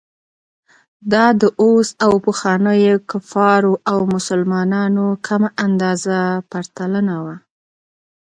دا د اوس او پخوانیو کفارو او مسلمانانو کمه اندازه پرتلنه وه.